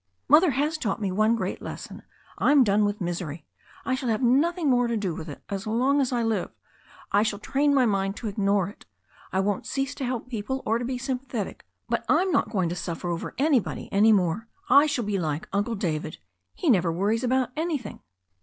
"Mother has taught me one great lesson. I'm done with misery. I shall have nothing more to do with it as long aa I live. I shall train my mind to ignore it. I won't cease to help people, or to be sympathetic, but I'm not going to suffer over anybody any more. I shall be like Uncle David. He never worries about anything."